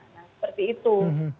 nah seperti itu